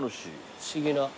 不思議な。